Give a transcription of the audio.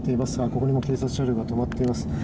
ここにも警察車両が止まっています。